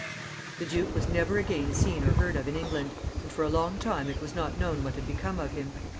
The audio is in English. The duke was never again seen or heard of in England, and for a long time it was not known what had become of him.